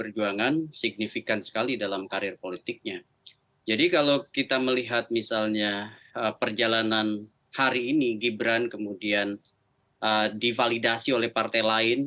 jadi kalau kita melihat misalnya perjalanan hari ini gibran kemudian divalidasi oleh partai lain